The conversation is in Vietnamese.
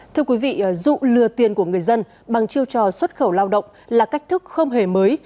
thưa quý vị dụ lừa tiền của người dân bằng chiêu trò xuất khẩu lao động là cách thức không hề mới